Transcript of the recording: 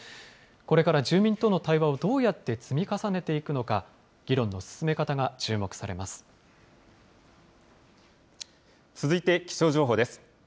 これから住民との対話をどうやって積み重ねていくのか、議論の進続いて気象情報です。